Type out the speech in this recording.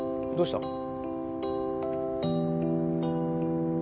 どうした？